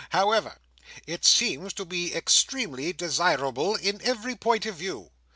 However, it seems to be extremely desirable in every point of view.